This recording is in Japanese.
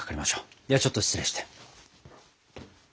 ではちょっと失礼して。